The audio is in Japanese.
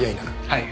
はい。